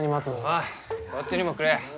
おいこっちにもくれ。